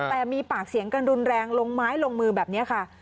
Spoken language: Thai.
แต่มีปากเสียงกันรุนแรงลงไม้ลงมือแบบนี้ค่ะ